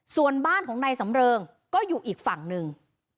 ส่วนบ้านของนายสำเริงก็อยู่อีกฝั่งหนึ่ง